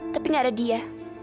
tapi nggak ada dia